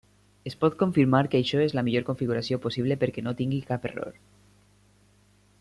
Es pot confirmar, que això és la millor configuració possible perquè no tingui cap error.